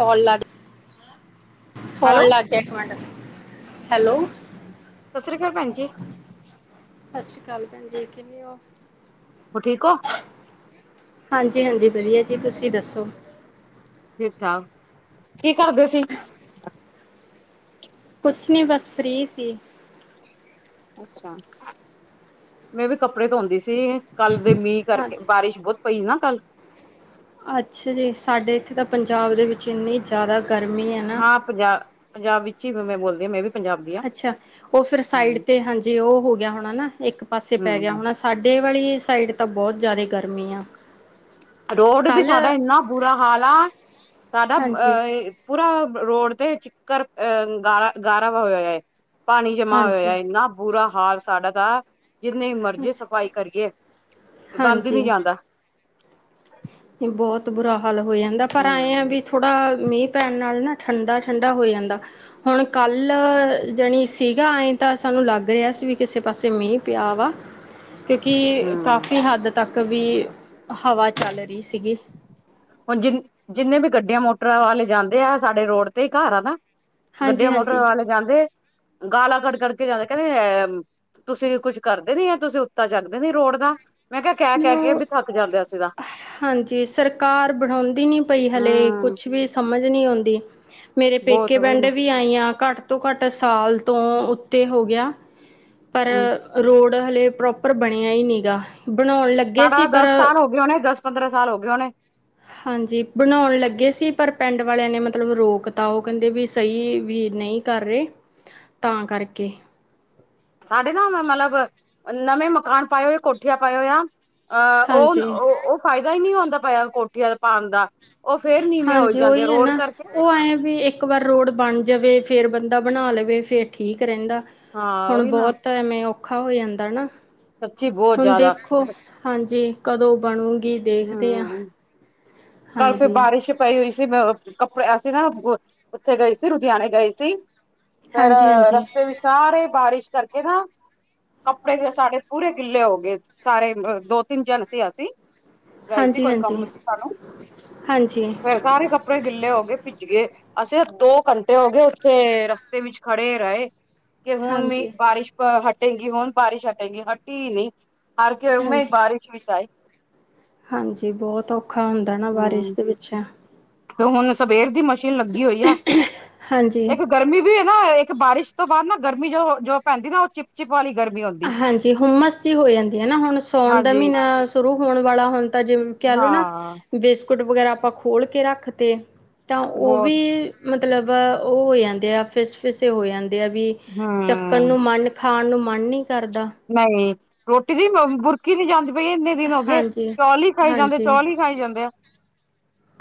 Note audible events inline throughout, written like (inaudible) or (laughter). ਕੋਲ ਲੱਗ hello phone ਲੱਗ ਗਿਆ ਇੱਕ ਮਿੰਟ ਹੈਲੋ ਸਸਰੀ ਕਾਲ ਭੈਣ ਜੀ। ਸਸਰੀ ਕਾਲ ਭੈਣ ਜੀ ਕਿਮੇਂ ਉ ਹੋਰ ਠੀਕ ਓ (inaudible) ਹਾਂਜੀ -ਹਾਂਜੀ ਵਧੀਆ ਜੀ ਤੁਸੀਂ ਦੱਸੋ। ਠੀਕ -ਠਾਕ (inaudible) ਕੀ ਕਰਦੇ ਸੀ। ਕੁਛ ਨੀ ਬਸ ਫਰੀ ਸੀ। ਅੱਛਾ, ਮੈਂ ਵੀ ਕੱਪੜੇ ਧੋਂਦੀ ਸੀ ਕੱਲ ਦੇ ਮੀਂ ਕਰਕੇ ਹਾਂਜੀ ਬਾਰਿਸ਼ ਬੋਤ ਪਈ ਨਾ ਕੱਲ। ਅੱਛਾ ਜੀ, ਸਾਡੇ ਏਥੇ ਤਾਂ ਪੰਜਾਬ ਦੇ ਵਿੱਚ ਇੰਨੀ ਜਾਦਾ ਗਰਮੀ ਐ ਨਾ। ਪੰਜਾ ਪੰਜਾਬ ਵਿੱਚ ਈ ਮੈੱ ਬੋਲਦੀ ਮੈਂ ਵੀ ਪੰਜਾਬ ਦੀ ਆ ਅੱਛਾ, ਓ ਫੇਰ ਸਾਈਡ ਹਮ ਤੇ ਹਾਂਜੀ ਓ ਹੋ ਗੇਆ ਹੋਣਾ ਨਾ ਇੱਕ ਪਾਸੇ ਪੈ ਗੇਆ ਹਮ ਹੋਣਾ ਸਾਡੇ ਵਾਲੀ ਸਾਈਡ ਤਾਂ ਬੋਤ ਜਾਦੇ ਗਰਮੀ ਆ। ਰੋਡ ਵੀ ਕੱਲ ਸਾਡਾ ਏਨਾ ਬੁਰਾ ਹਾਲ ਆ ਸਾਰਾ ਆ ਹਾਂਜੀ ਏ ਪੂਰਾ ਰੋਡ ਤੇ ਚਿੱਕਰ ਅ ਗਾਰਾ- ਗਾਰਾ ਵ ਹੋਏਆ ਏ। ਪਾਣੀ ਜਮਾ ਹੋਏਆ ਹਾਂਜੀ ਏ ਏਨਾ ਬੁਰਾ ਹਾਲ ਸਾਡਾ ਤਾ ਜਿੰਨੀ ਮਰਜੀ ਹਾਂਜੀ ਸਫ਼ਾਈ ਕਰੀਏ, ਗੰਦ ਨੀ ਹਾਂਜੀ ਜਾਂਦਾ। ਬੋਤ ਬੁਰਾ ਹਾਲ ਹੋ ਜਾਂਦਾ ਪਰ ਐਂ ਆ ਹਮ ਵੀ ਥੋੜਾ ਮੀਂ ਪੈਣ ਨਾਲ ਨਾ ਠੰਡਾ - ਠੰਡਾ ਹੋ ਜਾਂਦਾ। ਹੁਣ ਕੱਲ੍ਹ ਜਣੀ ਸੀਗਾ ਐਂ ਤਾਂ ਸਾਨੂੰ ਲੱਗ ਰੇਆ ਸੀ ਵੀ ਕਿਸੇ ਪਾਸੇ ਮੀਂ ਪੇਆ ਵਾ ਕਿਉਂਕਿ ਹਮ ਕਾਫ਼ੀ ਹੱਦ ਤੱਕ ਵੀ ਹਵਾ ਚੱਲ ਰੀ ਸੀਗੀ। ਹੁਣ ਜਿੰਨ ਜਿੰਨੇ ਵੀ ਗੱਡੀਆਂ ਮੋਟਰਾਂ ਵਾਲੇ ਜਾਂਦੇ ਆ। ਸਾਡੇ ਰੋਡ ਤੇ ਘਰ ਆ ਨਾ। ਹਾਂਜੀ ਗੱਡੀਆਂ ਮੋਟਰ ਹਾਂਜੀ ਵਾਲੇ ਜਾਂਦੇ, ਗਾਲਾਂ ਕਢ ਕਢ ਕੇ ਜਾਂਦੇ ਕੋਂਦੇ ਅ ਤੁਸੀ ਵੀ ਕੁੱਝ ਕਰਦੇ ਨੀ, ਤੁਸੀ ਉੱਤਾ ਚੱਕਦੇ ਨੀ ਰੋਡ ਦਾ। ਮੈਂ ਕੇ ਕੈ ਨਹੀਂ ਕੈ ਕੇ ਉਹ ਬੀ ਥੱਕ ਜਾਂਦੇ ਅਸੀ ਤਾਂ। ਹਾਂਜੀ, ਸਰਕਾਰ ਬੜਉਂਦੀ ਨੀ ਪਈ ਹਲੇ, ਹਮ ਕੁਛ ਵੀ ਸਮਝ ਨੀ ਅਉਂਦੀ। ਮੇਰੇ ਬਹੁਤ ਪੇਕੇ ਉਹੀ ਪਿੰਡ ਨਾ ਵੀ ਆਈਆਂ ਘੱਟ ਤੋਂ ਘੱਟ ਸਾਲ ਤੋਂ ਉੱਤੇ ਹੋ ਗੇਆ। ਪਰ ਹਮ ਰੋਡ ਹਲੇ ਪ੍ਰੋਪਰ ਬਣੇਆ ਈ ਨੀਗਾ। ਬਣਾਉਣ ਲੱਗ ਸਾਰਾ ਦਸ ਸਾਲ ਹੋਗੇ ਹੋਣੇ। ਦਸ ਪੰਦਰਾਂ ਸਾਲ ਹੋਗੇ ਹੋਣੇ। ਹਾਂਜੀ, ਬਣਾਉਣ ਲੱਗੇ ਸੀ ਪਰ ਪਿੰਡ ਵਾਲੇਆਂ ਨੇ ਮਤਲਬ ਰੋਕ ਤਾ ਓ ਕੇਂਦੇ ਵੀ ਸਈ ਵੀ ਨਈ ਕਰ ਰੇ ਤਾਂ ਕਰਕੇ। ਸਾਡੇ ਨਾ ਮਤਲਬ ਨਵੇਂ ਮਕਾਨ ਪਾਏ ਹੋਏ ਕੋਠੀਆਂ ਪਾਏ ਹੋਈ ਆਂ ਅ ਓ ਹਾਂਜੀ ਓ ਫਾਏਦਾ ਈ ਨੀ ਹੋਂਦਾ ਪਏਆ ਕੋਠੀਆਂ ਪਾਣ ਦਾ। ਓ ਫੇਰ ਨੀਵੇਂ ਹੋਈ ਜਾਂਦੇ ਐ। ਰੋਡ ਕਰਕੇ ਓ ਐਂਏ ਵੀ ਇੱਕ ਵਾਰ ਰੋਡ ਬਣ ਜਾਵੇ ਫੇਰ ਬੰਦਾ ਬਣਾ ਲਵੇ ਫੇਰ ਠੀਕ ਰੈਂਦਾ। ਹਾਂ ਹੁਣ ਉਹੀ ਨਾ ਬੋਤ ਐਵੇਂ ਔਖਾ ਹੋ ਜਾਂਦਾ ਨਾ, ਸੱਚੀ ਬਹੁਤ ਹੁਣ ਜ਼ਿਆਦਾ ਦੇਖੋ। ਹਾਂਜੀ। ਕਦੋਂ ਬਣੂਗੀ ਦੇਖਦੇ ਆਂ? ਹਮ ਕੱਲ ਫੈਰ ਬਾਰਿਸ਼ ਪਈ ਹੋਈ ਸੀ। ਅ ਕੱਪੜੇ ਅਸੀ ਨਾ ਓਥੇ ਗਏ ਸੀ। ਲੁਧਿਆਣੇ ਗਏ ਸੀ। ਫੇਰ ਹਾਂਜੀ ਹਾਂਜੀ ਰਸਤੇ ਵਿਚ ਸਾਰੇ ਬਾਰਿਸ਼ ਕਰਕੇ ਨਾ ਕੱਪੜੇ ਜੇ ਸਾਡੇ ਪੂਰੇ ਗਿੱਲੇ ਹੋ ਗਏ ਸਾਰੇ। ਦੋ-ਤਿੰਨ ਜਨ ਸੀ ਅਸੀ। ਗਏ ਸੀ ਹਾਂਜੀ ਕੋਈ ਹਾਂਜੀ ਕੰਮ ਸੀ ਸਾਨੂੰ, ਹਾਂਜੀ ਫੇਰ ਸਾਰੇ ਕੱਪੜੇ ਗਿੱਲੇ ਹੋ ਗਏ। ਭਿੱਜ ਗਏ ਅਸੀ ਦੋ ਘੰਟੇ ਹੋ ਗਏ ਓਥੇ ਰਸਤੇ ਵਿੱਚ ਖੜੇ ਰਏ। ਕਿ ਹੁਨ ਮੀਂ ਹਾਂਜੀ, ਬਾਰਿਸ਼ ਹਟੇਗੀ, ਹੁਣ ਬਾਰਿਸ਼ ਹਟੇਗੀ, ਹਟੀ ਨੀ। ਹਰ ਕੇ ਉਵੇ ਈ ਹਾਂਜੀ। ਬਾਰਿਸ਼ ਵਿੱਚ ਆਏ। ਹਾਂਜੀ ਬੋਤ ਔਖਾ ਹੁੰਦਾ ਨਾ ਹਮ ਬਾਰਿਸ਼ ਦੇ ਵਿੱਚ। ਤੇ ਹੁਣ ਸਵੇਰ ਦੀ ਮਸ਼ੀਨ ਲੱਗੀ ਹੋਈ ਆ। ਹਾਂਜੀ। ਏਕ ਗਰਮੀ ਵੀ ਨਾ, ਏਕ ਬਾਰਿਸ਼ ਤੋਂ ਬਾਦ ਨਾ ਗਰਮੀ ਜੋ ਜੋ ਪੈਂਦੀ ਨਾ ਓ ਚਿਪ ਚਿਪ ਵਾਲੀ ਗਰਮੀ ਹੋਂਦੀ। ਹਾਂਜੀ ਹੁਮਸ ਜੀ ਹੋ ਜਾਂਦੀ ਏਨਾ ਹੁਣ ਸਓਣ ਦਾ ਹਾਂਜੀ। ਮੀਨਾ ਸ਼ੁਰੂ ਹੋਣ ਵਾਲਾ ਹੁਣ ਤਾਂ ਜਿਵੇ, ਹਾਂ। ਬਿਸਕੁਟ ਵਗੈਰਾ ਆਪਾਂ ਖੋਲ ਕੇ ਰੱਖ ਤੇ ਤਾਂ ਓ ਬਹੁਤ ਵੀ ਮਤਲਬ ਉਹ ਹੋ ਜਾਂਦੇ ਆ ਫਿਸ-ਫਿਸੇ ਹੋ ਜਾਂਦੇ ਆ ਵੀ ਚੱਕਣ ਹੂੰ ਨੂੰ ਮਨ ਖਾਣ ਨੂੰ ਮਨ ਨੀ ਕਰਦਾ। ਨਹੀਂ? ਰੋਟੀ ਦੀ ਬੁਰਕੀ ਨੀ ਜਾਂਦੀ ਪਈ ਇੰਨੇ ਦਿਨ ਹੋ ਗਏ, ਹਾਂਜੀ, ਚੌਲ ਹੀ ਖਾਈ ਜਾਂਦੇ ਹਾਂਜੀ। ਚੌਲ ਹੀ ਖਾਈ ਜਾਂਦੇ ਆ।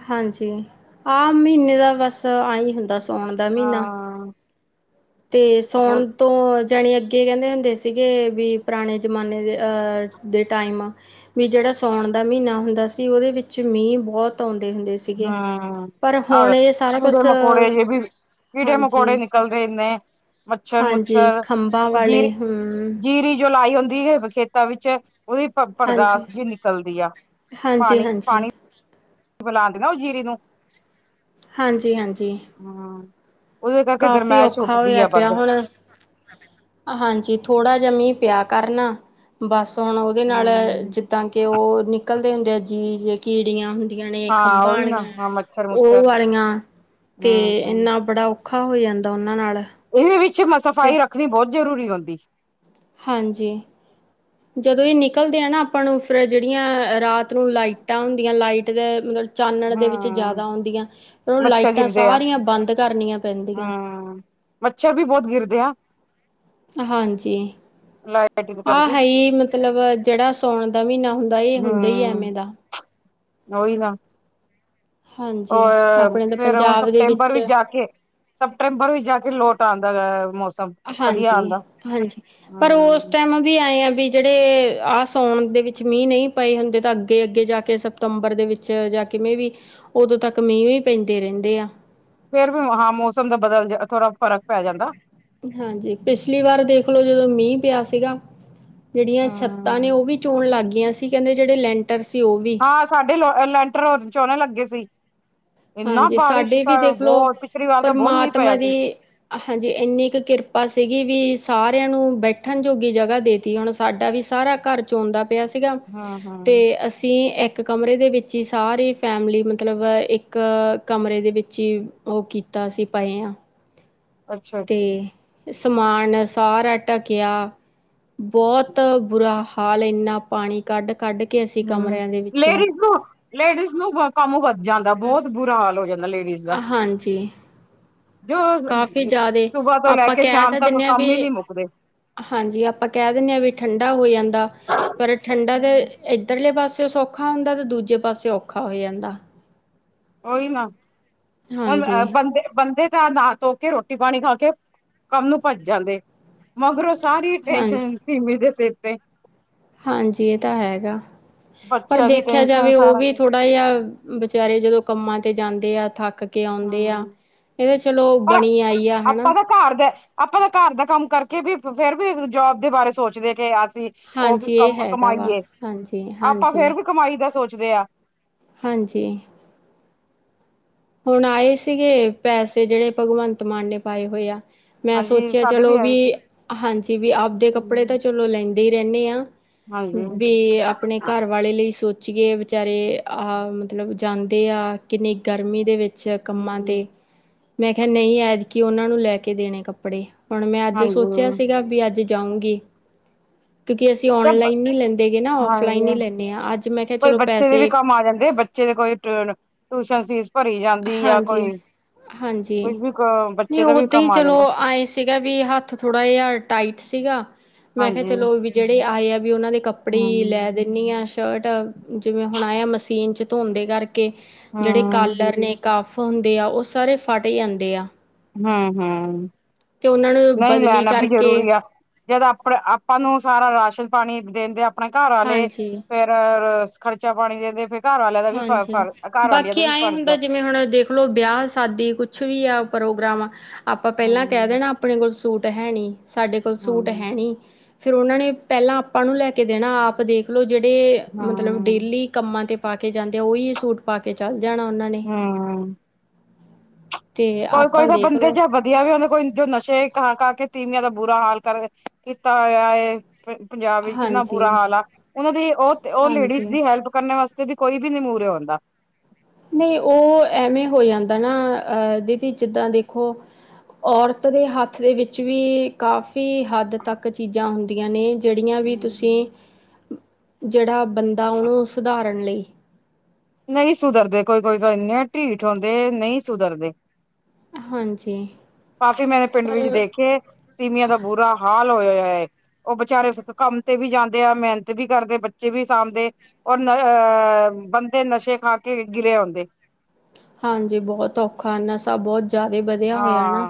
ਹਾਂਜੀ, ਆਮ ਮਹੀਨੇ ਦਾ ਬਸ ਆਈ ਹੁੰਦਾ ਸਾਉਣ ਦਾ ਮਹੀਨਾ। ਹਾਂ ਤੇ ਬਹੁਤ ਸੌਣ ਤੋਂ ਜੇਹੜੇ ਅੱਗੇ ਕਹਿੰਦੇ ਹੁੰਦੇ ਸੀਗੇ ਵੀ ਪੁਰਾਣੇ ਜ਼ਮਾਨੇ ਦੇ ਦੇ ਟਾਈਮ ਵੀ ਜਿਹੜਾ ਸਾਉਣ ਦਾ ਮਹੀਨਾ ਹੁੰਦਾ ਸੀ, ਉਹਦੇ ਵਿੱਚ ਮੀਂਹ ਬਹੁਤ ਹੁੰਦੇ ਸੀ‌। ਹਾਂ ਆ ਕੀੜੇ ਕੁਛ ਮਕੌੜੇ ਇਹ ਵੀ ਕੀੜੇ ਹਾਂਜੀ ਮਕੌੜੇ ਨਿਕਲ ਇਨੇ ਮੱਛਰ ਹਾਂਜੀ ਮੁੱਛਰ ਖੰਭਾਂ ਉਹ ਵਾਲੇ ਜੀਰੀ ਹੂੰ ਜੀਰੀ ਜੋਲਾਈ ਹੁੰਦੀ ਏ ਖੇਤਾਂ ਵਿੱਚ ਉਹਦੀ ਹਾਂਜੀ। ਪਰਦਾਸਤ ਜਿ ਨਿਕਲਦੀ ਆ, ਹਾਂਜੀ ਹਾਂਜੀ, ਪਾਣੀ-ਪਾਣੀ ਬੁਲਾਉਂਦੇ ਨਾ ਜੀਰੀ ਨੂੰ ਹਾਂਜੀ ਹਾਂਜੀ। ਹਾਂ। ਕਾਫੀ ਔਖਾ ਹੋਇਆ ਪਿਆ ਵੱਧ। ਹੁਣ। ਹਾਂਜੀ ਥੋੜਾ ਜਿਹਾ ਮੀਂਹ ਪਿਆ ਕਰਨਾ, ਬਸ ਹੁਣ ਉਹਦੇ ਨਾਲ ਹੂੰ। ਜ ਤਾਂ ਕਿ ਉਹ ਨਿਕਲਦੇ ਹੁੰਦੇ ਆ ਜੀਜ ਜੇ ਕੀੜੀਆਂ। ਜਾਣੀ ਹਾਂ ਖੰਭਾਂ ਉਹੀ ਨਾ ਆਲੀਆਂ ਹਾਂ ਮੱਛਰ ਉਹ ਮੁੱਛਰ ਵਾਲੀਆਂ ਤੇ ਹੂੰ। ਇਨਾ ਬੜਾ ਔ ਔਖਾ ਹੋ ਜਾਂਦਾ ਉਹਨਾਂ ਨਾਲ। ਇਹਦੇ ਵਿੱਚ ਮਸਾ ਫਿਰ ਸਫ਼ਾਈ ਰੱਖਣੀ ਬਹੁਤ ਜ਼ਰੂਰੀ ਹੁੰਦੀ। ਹਾਂਜੀ। ਜਦੋਂ ਇਹ ਨਿਕਲਦੇ ਆ ਨਾ ਆਪਾਂ ਫਿਰ ਜਿਹੜੀਆਂ ਰਾਤ ਨੂੰ ਲਾਈਟਾਂ ਹੁੰਦੀਆਂ, ਲਾਈਟ ਦੇ ਮਤ ਚਾਨਣ ਦੇ ਵਿੱਚ ਜਿਆਦਾ ਹੂੰ। ਆਉਂਦੀਆਂ, ਉਹ ਮੱਛਰ ਲਾਈਟਾਂ ਗਿਰਦੇ ਆ। ਸਾਰੀਆਂ ਬੰਦ ਕਰਨੀਆਂ ਪੈਂਦੀਆਂ। ਹੂੰ। ਮੱਛਰ ਵੀ ਬਹੁਤ ਗਿਰਦੇ ਆ। ਹਾਂਜੀ। ਮੈਥ ਦਾ ਟੇਬਲ (unintelligible) ਆਹ ਹੈ ਹੀ ਮਤਲਬ ਜਿਹੜਾ ਸਾਉਣ ਦਾ ਮਹੀਨਾ ਹੁੰਦਾ ਇਹ ਹੁੰਦਾ ਹੀ ਹੈ ਐਵੇਂ ਦਾ। ਔਹੀ ਨਾ। ਹਾਂਜੀ ਉਹ ਆਪਣੇ ਤਾਂ ਫਿਰ ਹੁਣ ਪੰਜਾਬ ਦੇ ਸਪਟੈਂਬਰ ਵਿੱਚ ਜਾ ਕੇ ਸਪਟੰਬਰ ਵਿੱਚ ਜਾ ਲੋਟ ਆਂਦਾ ਗਾ ਮੌਸਮ। ਵਧੀਆ ਹਾਂਜੀ ਆਂਦਾ। ਹਾਂਜੀ ਪਰ ਉਸ ਹੂੰ। ਟਾਈਮ ਵੀ ਆਏ ਆ ਵੀ ਜਿਹੜੇ ਆਹ ਸਾਉਣ ਦੇ ਵਿੱਚ ਮੀਂਹ ਨਹੀਂ ਪਏ ਹੁੰਦੇ, ਤਾਂ ਅੱਗੇ ਅੱਗੇ ਜਾ ਕੇ ਸਤੰਬਰ ਦੇ ਵਿੱਚ ਜਾਂ ਕਿਵੇਂ ਵੀ ਉਦੋਂ ਤੱਕ ਮੀਂਹ ਹੀ ਪੈਂਦੇ ਰਹਿੰਦੇ ਆ। ਫੇਰ ਵੀ ਹਾਂ ਮੌਸਮ ਦਾ ਬਦਲ ਜਾ ਥੋੜਾ ਫ਼ਰਕ ਪੈ ਜਾਂਦਾ। ਹਾਂਜੀ, ਪਿੱਛਲੀ ਵਾਰ ਦੇਖਲੋ ਜਦੋਂ ਮੀਂਹ ਪਿਆ ਸੀਗਾ ਜਿਹੜੀਆਂ ਛੱਤਾਂ ਹੂੰ। ਨੇ ਉਹ ਵੀ ਚੋਣ ਲੱਗ ਗਈਆਂ ਸੀ ਕਹਿੰਦੇ ਜਿਹੜੇ ਲੈਂਟਰ ਸੀ ਉਹ ਵੀ ਹਾਂ ਸਾਡੇ ਲੋ ਲੈਂਟਰ ਚੋਣੇ ਲੱਗਗੇ ਸੀ। ਐਨਾ ਹਾਂਜੀ ਬਾਰਿਸ਼ ਸਾਡੇ ਵੀ ਪਿਆ ਦੇਖਲੋ ਬੋਹਤ ਪਿਛਲੀ ਵਾਰ ਤਾਂ ਬਹੁਤ ਮੀਂਹ ਪਿਆ ਪਰਮਾਤਮਾ ਸੀ। ਦੀ ਹਾਂਜੀ, ਇੰਨੀ ਕੁ ਕਿਰਪਾ ਸੀਗੀ ਵੀ ਸਾਰਿਆਂ ਨੂੰ ਬੈਠਣ ਜੋਗੀ ਜਗ੍ਹਾ ਦੇ ਤੀ ਹੁਣ ਸਾਡਾ ਵੀ ਸਾਰਾ ਘਰ ਚੋਂਣਦਾ ਪਿਆ ਸੀਗਾ ਹੂੰ ਤੇ ਹੂੰ ਅਸੀਂ ਇੱਕ ਇੱਕ ਕਮਰੇ ਦੇ ਵਿੱਚ ਹੀ ਸਾਰੀ ਫੈਮਿਲੀ ਮਤਲਬ ਇੱਕ ਇੱਕ ਕਮਰੇ ਦੇ ਵਿੱਚ ਹੀ ਉਹ ਕੀਤਾ ਸੀਂ ਪਏ ਆ ਅੱਛਾ ਤੇ ਅੱਛਾ ਸਮਾਨ ਸਾਰਾ ਢੱਕਿਆ ਬਹੁਤ ਬੁਰਾ ਹਾ ਹਾਲ ਐਨਾ ਪਾਣੀ ਕੱਢ-ਕੱਢ ਕੇ ਅਸੀਂ ਹੂੰ ਕਮਰਿਆਂ ਦੇ ਵਿੱਚੋਂ ਲੇਡੀਜ਼ ਨੂੰ ਲੇਡੀਜ਼ ਨੂੰ ਹੋ ਕੰਮ ਵੱਧ ਜਾਂਦਾ ਬਹੁਤ ਬੁਰਾ ਹਾਲ ਹੋ ਜਾਂਦਾ ਲੇਡੀ ਅ ਹਾਂਜੀ। ਜੋ ਕਾਫੀ ਜਾਦੇ ਸੁਬਾਹ ਤੋਂ ਲੈ ਆਪਾਂ ਕੇ ਕੈ ਸ਼ਾਮ ਤਾਂ ਤੱਕ ਦਿੰਨੇ ਆ ਕੰਮ ਵੀ ਹੀ ਨਹੀਂ ਮੁੱਕਦੇ ਹਾਂਜੀ ਆਪਾਂ ਕੈ ਦਿੰਨੇ ਆ ਵੀ ਠੰਡਾ ਹੋ ਜਾਂਦਾ ਪਰ ਠੰਡਾ ਹੂੰ (unintelligible) ਉਧਰਲੇ ਪਾਸੀਓ ਸੌਖਾ ਹੁੰਦਾ ਤਾਂ ਦੂਜੇ ਪਾਸੀਓ ਔਖਾ ਹੋ ਜਾਂਦਾ। ਓਈ ਨਾ ਹਾਂਜੀ (unintelligible) ਬੰਦੇ-ਬੰਦੇ ਦਾ ਨਾ ਧੋਕੇ ਰੋਟੀ-ਪਾਣੀ ਖਾ ਕੇ ਕੰਮ ਨੂੰ ਭੱਜ ਜਾਂਦੇ ਮਗਰੋ ਸਾਰੀ ਹਾਂਜੀ ਟੈਸ਼ਨ ਸਿੰਮੀ ਦੇ ਸਿਰ ਤੇ। ਹਾਂਜੀ ਏ ਤਾਂ ਹੈਗਾ (inaudible) ਪਰ ਬੱਚਿਆਂ ਦੀ ਦੇਖਿਆ ਟੈਨਸ਼ਨ ਜਾਵੇ ਓ ਸਾਰਾ ਵੀ ਕੁਛ ਥੋ ੜਾ ਯਾ ਵਿਚਾਰੇ ਜਦੋਂ ਕੰਮਾਂ ਤੇ ਜਾਂਦੇ ਆ ਥੱਕ ਕੇ ਆਉਂਦੇ ਆ ਹੂੰ ਏ ਤਾਂ ਚਲੋ ਪਰ ਬਣੀ ਆਈ ਆ ਹਨਾ। ਆਪਾਂ ਤਾਂ ਘਰ ਦਾ ਆਪਾਂ ਤਾਂ ਘਰ ਦਾ ਕੰਮ ਕਰਕੇ ਵੀ ਫੇਰ ਵੀ ਜੋਬ ਦੇ ਬਾਰੇ ਸੋਚਦੇ ਕਿ ਅਸੀਂ ਓ ਵੀ ਹਾਂਜੀ ਇਹ ਕਮ ਹੈਗਾ ਵਾ ਕਮਾਈਏ ਹਾਂਜੀ ਆਪਾਂ ਫੇਰ ਹਾਂਜੀ ਵੀ ਕਮਾਈ ਦਾ ਸੋਚਦੇ ਆ। ਹਾਂਜੀ। ਹੁਣ ਆਏ ਸੀਗੇ ਪੈਸੇ ਜੇੜੇ ਭਗਵੰਤ ਮਾਨ ਨੇ ਪਾਏ ਹੋਏ ਆ ਮੈਂ ਹਾਂਜੀ ਸੋਚਿਆ ਸਾਡੇ ਚਲੋ ਆਏ ਵੀ ਸੀ ਹਾਂਜੀ ਵੀ ਆਪਦੇ ਕੱਪੜੇ ਤਾਂ ਹਮ ਚਲੋ ਲੈਂਦੇ ਈ ਰੈਨੇ ਆ ਹਾਂਜੀ ਵੀ ਆਪਣੇ ਘਰ ਵਾਲੇ ਲਈ ਸੋਚੀਏ ਵਿਚਾਰੇ ਆ ਮਤਲਬ ਜਾਂਦੇ ਆ ਕਿੰਨੀ ਗਰਮੀ ਦੇ ਵਿੱ ਚ ਕੰਮਾਂ ਹਮ ਤੇ ਮੈਂ ਕਿਹਾ ਨਈ ਐਤਕੀ ਉਨਾਂ ਨੂੰ ਲੈ ਕੇ ਦੇਣੇ ਕੱਪੜੇ। ਹੁਣ ਮੈਂ ਅੱਜ ਸੋਚਿਆ ਹਾਂਜੀ ਸੀਗਾ ਵੀ ਅੱਜ ਜਾਉਂਗੀ ਕਿਉਂਕੀ ਅਸੀਂ ਤੇ ਔਨਲਾਈਨ ਨੀ ਲੈਂਦੇਗੇ ਨਾ ਓਫਲਾਈਨ ਈ ਹਾਂਜੀ ਲੈਂਦੇ ਆ ਅੱਜ ਮੈਂ ਕਿਹਾ ਚਲੋ ਪੈਸੇ ਮਾ ਜਾਂਦੇ ਬੱ ਚੇ ਦੇ ਕੋਈ (unintelligible) ਟਿਊਸ਼ਨ ਫੀਸ ਭਰੀ ਜਾਂਦੀ ਆ ਹਾਂਜੀ ਕੋਈ (unintelligible) ਹਾਂਜੀ ਵੀ ਬੱਚੇ ਨਹੀਂ ਦਾ ਵੀ ਓਦਾਂ ਹੀ ਕੰਮ ਆ ਚਲੋ ਜਾਂਦਾ। ਆਏ ਸੀਗਾ ਵੀ ਹੱਥ ਥੋੜਾ ਜਾ ਟਾਈਟ ਸੀਗਾ ਮੈਂ ਕਿਆ ਹਾਂਜੀ ਚਲੋ ਵੀ ਜੇੜੇ ਆਏ ਆ ਵੀ ਓਨਾਂ ਦੇ ਕੱਪੜੇ ਈ ਲੈ ਹਮ ਦੇ ਨੀ ਆ ਸ਼ਰਟ ਜਿਵੇਂ ਹੁਣ ਆਇਆ ਮਸ਼ੀਨ ਚ ਧੋਂਦੇ ਕਰਕੇ ਜੇੜੇ ਕੱਲ ਹਮ ਆਪਣੇ ਕਫ ਹੁੰਦੇ ਆ ਓ ਸਾਰੇ ਫਟ ਜਾਂਦੇ ਆ। ਹੂੰ-ਹੂੰ ਤੇ ਉਹਨਾਂ ਨੂੰ ਨਈ ਬਦਲੀ ਲੈਣਾ ਵੀ ਕਰਕੇ ਜ਼ਰੂਰੀ ਆ। ਜਦ ਆਪਣੇ ਆਪਾਂ ਨੂੰ ਸਾਰਾ ਰਾਸ਼ਨ ਪਾਣੀ ਦਿੰਦੇ ਆਪਣੇ ਘਰਆਲੇ ਹਾਂਜੀ। ਫੇ ਰ-ਰ ਖਰਚਾ ਪਾਣੀ ਦਿੰਦੇ ਫ ਘਰ ਵਾਲਿਆਂ ਦਾ ਵੀ ਹਾਂਜੀ ਫਰ ਘਰ ਵਾਲਿਆਂ ਦਾ ਬਾਕੀ ਵੀ ਐ ਫਰਜ਼ ਹੁੰਦਾ ਆ ਜਿਵੇਂ ਹੁਣ ਦੇ ਖਲੋ ਵਿਆਹ-ਸ਼ਾਦੀ ਕੁਛ ਵੀ ਆ ਪ੍ਰੋਗਰਾਮ ਆਪਾਂ ਪੈਲਾਂ ਕੈ ਹੂੰ ਦੇਣਾ ਆਪਣੇ ਕੋਲ ਸੂਟ ਹੈਨੀਂ, ਸਾਡੇ ਕੋਲ ਸੂਟ ਹੂੰ ਹੈਨੀ ਫੇਰ ਓਨਾਂ ਨੇ ਪੈਲਾਂ ਆਪਾਂ ਨੂੰ ਲੈ ਕੇ ਦੇਣਾ ਆਪ ਦੇਖ ਲੋ ਜੇੜੇ ਮਤਲਬ ਹੂੰ ਡੇਲੀ ਕੰਮਾਂ ਤੇ ਪਾ ਕੇ ਜਾਂਦੇ ਆ ਓਈ ਸੂਟ ਪਾ ਕੇ ਚੱਲ ਜਾਣਾ ਓਨਾਂ ਨੇ ਹੂੰ ਤੇ ਆਪਾਂ ਕੋਈ-ਕੋਈ ਤਾਂ ਦੇਖ ਬੰਦੇ ਲਓ ਚ ਬ ਵਧੀਆ ਵੀ (unintelligible) ਜੋ ਨਸ਼ੇ ਖਾ-ਖਾ ਕੇ ਤੀਵੀਆਂ ਦਾ ਬੁਰਾ ਹਾਲ ਕਰ ਕੀਤਾ ਹੋਇਆ ਏ। ਪੰਜਾਬ ਵਿੱਚ ਕਿੰਨਾ ਬੁਰਾ ਹਾਂਜੀ ਹਾਲ ਆ ਉਨਾਂ ਦੀ ਓ-ਓ ਹਾਂਜੀ ਲੇਡੀਜ਼ ਦੀ ਹੈਲਪ ਕਰਨੇ ਵਾਸ ਤੇ ਵੀ ਕੋਈ ਵੀ ਨੀ ਮੂਰੇ ਔਂਦਾ। ਨਈ ਓ ਐਵੇਂ ਹੋ ਜਾਂਦਾ ਨਾ ਅ ਦੀਦੀ ਜਿੱਦਾਂ ਦੇਖੋ ਔਰਤ ਦੇ ਹੱਥ ਦੇ ਵਿੱਚ ਵੀ ਕਾਫ਼ੀ ਹੱਦ ਤੱਕ ਚੀਜ਼ਾਂ ਹੁੰਦੀਆਂ ਨੇ ਜੇੜੀਆਂ ਵੀ ਤੁਸੀਂ ਜੇੜਾ ਬੰਦਾ ਉਨੂੰ ਸੁਧਾਰਨ ਲਈ ਨਈ ਸੁਧਰਦੇ ਕੋਈ-ਕੋਈ ਤਾਂ ਇੰਨੇ ਢੀਠ ਹੁੰਦੇ ਨਈ ਸੁਧਰਦੇ। ਹਾਂਜੀ ਕਾਫੀ ਮੈਂਨੇ ਪਿੰਡ ਪਰ ਵਿੱਚ ਦੇਖੇ ਤੀਮੀਆਂ ਦਾ ਬੁਰਾ ਹਾਲ ਹੋਇਆ ਏ। ਉਹ ਬੇਚਾਰੇ ਕੰਮ ਤੇ ਵੀ ਜਾਂਦੇ ਆ। ਮੇਹਨਤ ਵੀ ਕਰਦੇ ਬੱਚੇ ਵੀ ਸਾਂਭਦੇ ਔਰ ਅਹ ਬੰਦੇ ਨਸ਼ੇ ਖਾ ਕੇ ਗਿਰੇ ਹੁਂਦੇ ਹਾਂਜੀ ਬਹੁਤ ਔਖਾ, ਨਸ਼ਾ ਬਹੁਤ ਜ਼ਿਆਦਾ ਬ ਹਾਂ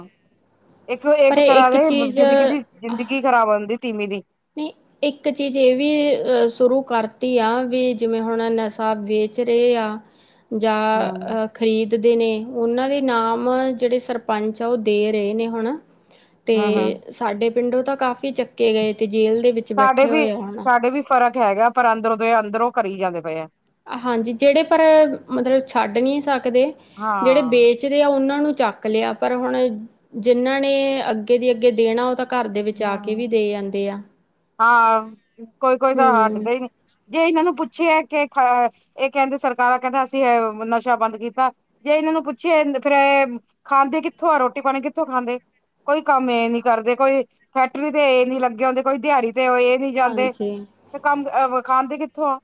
ਪਰ ਇੱਕ-ਇੱਕ ਤਰ੍ਹਾਂ ਇੱਕ ਦੇ ਚੀਜ਼ ਜਿੰਦਗੀ ਦੀ ਜ਼ਿੰਦਗੀ ਖ਼ਰਾਬ ਆਦੀ ਤੀਮੀਂ ਦੀ (unintelligible) ਇੱਕ ਚੀਜ਼ ਇਹ ਵੀ ਸ਼ੁਰੂ ਕਰਤੀ ਆ ਵੀ ਜਿਵੇਂ ਹੁਣ ਨਸ਼ਾ ਵੇਚ ਰਹੇ ਆ ਜਾਂ ਹਮ ਅ ਖ਼ਰੀਦਦੇ ਨੇ ਉਹਨਾਂ ਦੇ ਨਾਮ ਜਿਹੜੇ ਸਰਪੰਚ ਆ ਉਹ ਦੇ ਰਹੇ ਨੇ ਹੁਣ ਤੇ ਹਮ ਹਮ ਸਾਡੇ ਪਿੰਡੋਂ ਤਾਂ ਕਾਫੀ ਚੱਕੇ ਗਏ, ਤੇ ਜੇਲ੍ਹ ਦੇ ਵਿੱਚ ਸਾਡੇ ਬੈਠੇ ਵੀ ਹੋਏ ਹਨ ਸਾਡੇ ਵੀ ਫ਼ਰਕ ਹੈਗਾ। ਪਰ ਅੰਦਰੋਂ ਦੇ ਅੰਦਰੋਂ ਕਰੀ ਜਾਂਦੇ ਪਏ ਆ। ਹਾਜੀ ਜਿਹੜੇ ਪਰ ਮਤਲਬ ਛੱਡ ਨੀ ਸਕਦੇ। ਜਿਹੜੇ ਬੇਚ ਹਾਂ ਬੇਚਦੇ ਆ ਉਹਨਾਂ ਨੂੰ ਚੱਕ ਲਿਆ। ਪਰ ਹੁਣ ਜਿਹਨਾਂ ਨੇ ਅੱਗੇ ਦੀ ਅੱਗੇ ਦੇਣਾ ਉਹ ਤਾਂ ਘਰ ਦੇ ਵਿੱਚ ਆ ਕੇ ਵੀ ਹਮ ਦੇ ਜਾਂਦੇ ਆਂ। ਹਾਂ ਕੋਈ-ਕੋਈ ਤਾਂ ਹੂੰ, ਹਡਦਾ ਈ ਨੀ ਜੇ ਇਹਨਾਂ ਨੂੰ ਪੁੱਛਿਆ ਕਿ ਇਹ ਕਹਿੰਦੇ ਸਰਕਾਰਾਂ ਕਹਿੰਦੇ ਅਸੀਂ ਨਸ਼ਾ ਬੰਦ ਕੀਤਾ। ਜੇ ਇਹਨਾਂ ਨੂੰ ਪੁੱਛਿਆ ਫ਼ਿਰ ਖਾਂਦੇ ਕਿੱਥੋਂ ਆ ਰੋਟੀ ਪਾਣੀ, ਕਿੱਥੋਂ ਖਾਂਦੇ। ਕੋਈ ਕੰਮ ਇਹ ਨੀ ਕਰਦੇ ਕੋਈ ਫੈਕਟਰੀ ਤੇ ਇਹ ਨੀ ਲੱਗੇ ਹੁੰਦੇ। ਕੋਈ ਦਿਹਾੜੀ ਤੇ ਇਹ ਨੀ ਜਾਂਦੇ। ਹਾਂਜੀ ਤੇ ਕੰਮ ਖਾਦੇ ਕਿੱਥੋਂ ਆ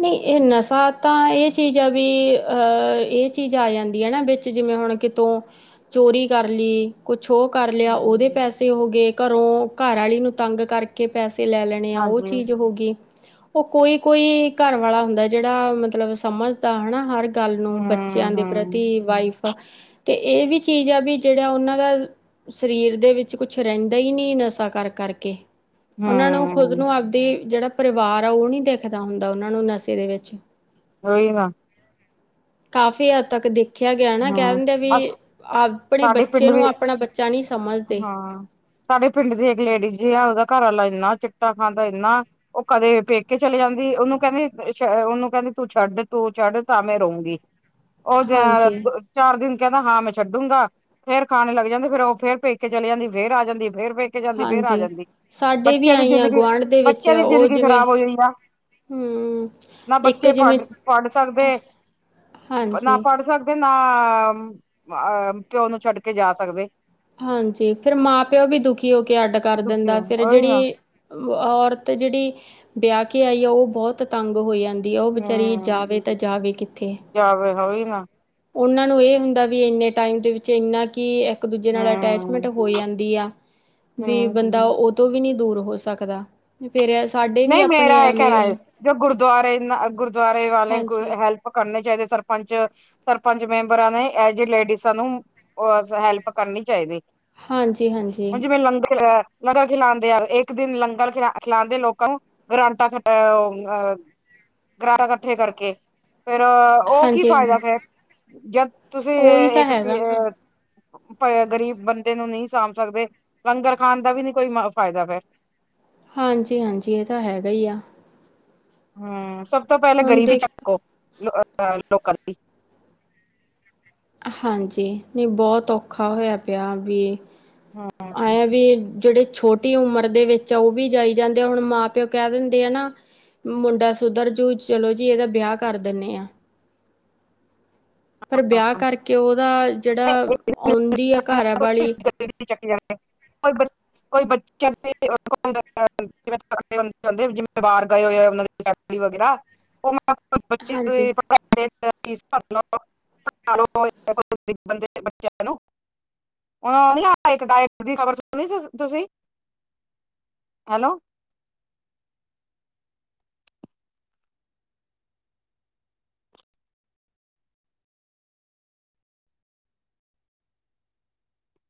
ਨਹੀਂ ਇਹ ਨਸ਼ਾ ਤਾਂ ਇਹ ਚੀਜ਼ ਆ ਵੀ ਅ ਇਹ ਚੀਜ਼ ਆ ਜਾਂਦੀ ਹੈ ਨਾ ਵਿੱਚ ਜਿਵੇਂ ਹੁਣ ਕਿ ਤੁ ਚੋਰੀ ਕਰ ਲਈ ਕੁਛ ਉਹ ਕਰ ਲਿਆ। ਉਹਦੇ ਹਮ ਪੈਸੇ ਹੋ ਗਏ ਘਰੋਂ ਘਰਆਲੀ ਨੂੰ ਤੰਗ ਕਰਕੇ ਪੈਸੇ ਲੈ ਲੈਣੇ ਨੇ ਉਹ ਹਾਂਜੀ ਚੀਜ਼ ਹੋ ਗਈ। ਉਹ ਕੋਈ-ਕੋਈ ਘਰਵਾਲਾ ਹੁੰਦਾ ਜੇੜਾ ਮਤਲਬ ਸਮਝਦਾ ਹਨਾ ਹਰ ਗੱਲ ਨੂੰ, ਬੱਚਿਆਂ ਹਮ ਦੇ ਹਮ ਪ੍ਰਤੀ ਵਾਈਫ ਤੇ ਇਹ ਵੀ ਚੀਜ਼ ਆ ਵੀ ਜੇੜਾ ਓਨਾ ਦਾ ਸਰੀਰ ਦੇ ਵਿੱਚ ਕੁਛ ਰੈਂਦਾ ਈ ਨਈ ਨਸ਼ਾ ਕਰ- ਕਰ ਕੇ ਓਨਾ ਨੂੰ ਖੁਦ ਹਮ ਨੂੰ ਆਵਦੀ ਜੇੜਾ ਪਰਿਵਾਰ ਆ ਉਹ ਨੀ ਦੇਖਦਾ ਹੁੰਦਾ ਓਨਾ ਨੂੰ ਨਸ਼ੇ ਦੇ ਵਿੱਚ (unintelligible) ਕਾਫ਼ੀ ਹੱਦ ਤੱਕ ਦੇ ਦੇਖਿਆ ਗਿਆ ਨਾ ਕਹਿ ਹਮ ਦਿੰਦੇ ਅ ਵੀ, ਆਪਣੇ ਸਾਡੇ ਬੱਚੇ ਪਿੰਡ ਵੀ ਨੂੰ ਆਪਣਾ ਬੱਚਾ ਨੀ ਸਮਝਦੇ। ਹਾਂ ਸਾਡੇ ਪਿੰਡ ਦੀ ਇੱਕ ਲੇਡੀਜ਼ ਆ ਓਦਾ ਘਰਆਲਾ ਏਨਾ ਚਿੱਟਾ ਖਾਂਦਾ ਏਨਾ ਉਹ ਕਦੇ ਪੇਕੇ ਚਲੇ ਜਾਂਦੀ ਓਨੂੰ ਕੇਂਦੀ- ਓਨੂੰ ਕੇਂਦੀ ਤੂੰ ਛੱਡ- ਤੂੰ ਛੱਡ ਤਾਂ ਮੈਂ ਰਊਗੀ। ਉਹ ਜ ਹਾਂਜੀ ਚਾਰ ਦਿਨ ਕੇਂਹਦਾ ਹਾਂ ਮੈਂ ਛੱਡੂਗਾ। ਫੇਰ ਖਾਣੇ ਲੱਗ ਜਾਂਦੇ ਫੇਰ ਉਹ ਫੇਰ ਪੇਕੇ ਚਲੀ ਜਾਂਦੀ ਫੇਰ ਆ ਜਾਂਦੀ ਫੇਰ ਪੇਕੇ ਪੇਕੇ ਜਾਂਦੀ ਫੇਰ ਆ ਹਾਂਜੀ ਜਾਂਦੀ, ਸਾਡੇ ਵੀ ਬੱਚਿਆਂ ਦੀ ਆਈ ਆ ਜ਼ਿੰਦਗੀ ਗੁਆਂਢ ਦੇ ਵਿੱਚ ਬੱਚਿਆਂ ਦੀ ਉਹ ਜ਼ਿੰਦਗੀ ਜਿਵੇਂ ਖ਼ਰਾਬ ਹੋਈ-ਹੋਈ ਆ। ਹਮ ਨਾ ਇੱਕ ਬੱਚੇ ਜਿਵੇਂ ਪੜ- ਪੜ੍ਹ ਸਕਦੇ। ਹਾਂਜੀ। ਤੇ ਨਾ ਅਹ ਪਿਓ ਨੂੰ ਛੱਡ ਕੇ ਜਾ ਸਕਦੇ। ਹਾਂਜੀ ਫਿਰ ਮਾਂ-ਪਿਓ ਵੀ ਦੁਖੀ ਹੋ ਕੇ ਅੱਡ ਕਰ ਦੁਖੀ ਦਿੰਦਾ ਫਿਰ ਉਹੀ ਨਾ ਜੇੜੀ ਔਰਤ ਜੇੜੀ ਵਿਆ ਕੇ ਆਈ ਆ ਉਹ ਬੋਤ ਤੰਗ ਹੋ ਜਾਂ ਦੀ ਆ ਉਹ ਵਿਚਾਰੀ ਹਮ ਜਾਵੇ ਤਾਂ ਜਾਵੇ ਕਿੱਥੇ ਜਾਵੇ ਔ ਵੀ ਨਾ ਓਨਾ ਨੂੰ ਇਹ ਹੁੰਦਾ ਵੀ ਇੰਨੇ ਟਾਈਮ ਦੇ ਵਿੱਚ ਏਨਾ ਕੀ ਇੱਕ- ਦੂਜੇ ਨਾਲ ਅਟੈਚਮੈਂਟ ਹੂੰ ਹੋ ਜਾਂਦੀ ਆ। ਵੀ ਬੰਦਾ ਹੂੰ ਓਤੋਂ ਵੀ ਨੀ ਦੂਰ ਹੋ ਸਕਦਾ। ਫਿਰ ਐ ਸਾ ਨਈ ਮੇਰਾ ਏ ਕੈਂਣਾ ਏ ਜੋ ਗੁਰਦੁਆਰੇ ਇਨਾ ਗੁਰਦੁਆਰੇ ਵਾਲੇ ਕੋ ਹਾਂਜੀ ਗੁਰ ਹੈਲ ਪ ਕਰਨੇ ਚਾਈਦੇ ਸਰਪੰਚ-ਸਰਪੰਚ ਮੈਂਬਰਾਂ ਨੇ ਐ ਜੇ ਲੇਡੀਸਾਂ ਨੂੰ ਓ ਸ ਹੈਲਪ ਕਰਨੀ ਚਾਈਦੀ ਹਾਂਜੀ ਹਾਂਜੀ ਹੁਣ ਜਿਵੇਂ ਲੰਗਰ ਲ ਲੰਗਰ ਖਿਲਾਂਦੇ ਆ ਇੱਕ ਦਿਨ ਲੰਗਰ ਖਿਲਾ ਖਿਲਾਂਦੇ ਲੋਕ ਓ ਗਰਾਂਟਾ ਓ ਗਰਾਰਾ ਕੱਠੇ ਕਰਕੇ ਫਿਰ ਅ ਓ ਕੀ ਹਾਂਜੀ ਫ਼ਾਇਦਾ ਹਾਂਜੀ ਫਿਰ ਜਦ ਤੁਸੀਂ ਉਹੀ ਤਾਂ ਇੱਕ ਹੈਗਾ ਏ ਨਾ ਗ਼ਰੀਬ ਬੰਦੇ ਨੂੰ ਨਈ ਸਾਂਭ ਸਕਦੇ ਲੰਗਰ ਖਾਣ ਦਾ ਵੀ ਨੀ ਕੋਈ ਫਾਇਦਾ ਫਿਰ ਹਾਂਜੀ-ਹਾਂਜੀ ਏ ਤਾਂ ਹੈਗਾ ਈ ਆ। ਹੂੰ ਸਭ ਤੋਂ ਪੈਲਾਂ ਹੁਣ ਗਰੀਬੀ ਦੇਖ ਚੱਕੋ ਲੋਕਲ ਦੀ ਹਾਂਜੀ ਨਈ ਬੋਤ ਔਖਾ ਹੋਇਆ ਪਿਆ ਵੀ ਹੂੰ ਐ ਵੀ ਜੇੜੇ ਛੋ ਟੀ ਉਮਰ ਦੇ ਵਿੱਚ ਓ ਵੀ ਜਾਈ ਜਾਂਦੇ ਆ ਹੁਣ ਮਾਂ-ਪਿਓ ਕੈ ਦਿੰਦੇ ਆ ਨਾ ਮੁੰਡਾ ਸੁਧਰ ਜੂ ਚਲੋ ਜੀ ਏਦਾ ਵਿਆਹ ਕਰ ਦਿੰਨੇ ਆ। ਪਰ ਵਿਆਹ ਕਰਕੇ ਓਦਾ ਜੇੜਾ ਆਉਂਦੀ ਆ ਘਰਵਾਲੀ (inaudible) ਕੋਈ ਬੱਚੇ (unintelligible) ਕਿਵੇਂ ਜਿੰਮੇਵਾਰ ਗਏ ਹੋਏ ਉਨਾਂ ਦੇ ਹਾਂਜੀ (inaudible) (inaudible) ਹੁਣ ਨੀ ਹਾ ਇੱਕ ਗਾਇਕ ਦੀ ਖਬਰ ਸੁਣੀ ਸੀ ਤੁਸੀਂ ਹੈਲੋ।